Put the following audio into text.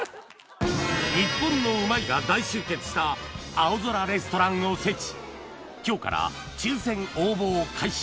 日本の「うまい」が大集結した「青空レストランおせち」今日から抽選応募を開始